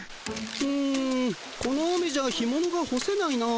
うんこの雨じゃひものがほせないな。